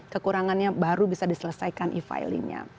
kekurangannya baru bisa diselesaikan e filingnya